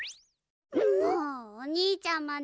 もうお兄ちゃんまで。